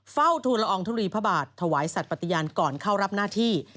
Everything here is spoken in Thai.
เฝ้าทูลละอองทุลีพระบาทถวายสัตว์ปฏิญาณก่อนเข้ารับหน้าที่